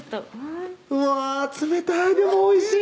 「うわ冷たいでもおいしい」